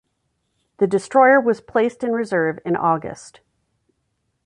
The destroyer was placed in reserve in August.